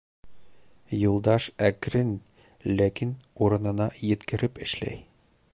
Юлдаш әкрен, ләкин урынына еткереп эшләй.